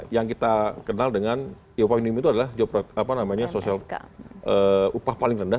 yang kita kenal dengan upah minimum itu adalah sosial upah paling rendah